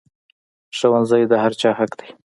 ښوونځی د هر چا حق دی